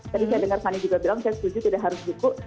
tadi saya dengar fani juga bilang saya setuju tidak harus buku